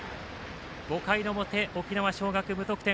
５回の表、沖縄尚学、無得点。